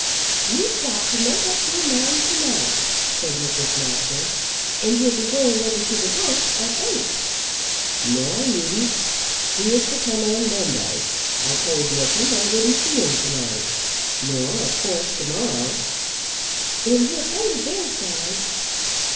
"You've got to make up your mind to night," said Mrs. Masters, "and you'll be going over to the Bush at eight." "No, I needn't. He is to come on Monday. I told Nickem I wouldn't see him to night; nor, of course, to morrow." "Then he'll go to Bearside."